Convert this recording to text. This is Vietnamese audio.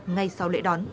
ngay sau lễ đón